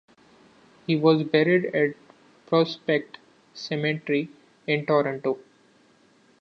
He was buried at Prospect Cemetery in Toronto.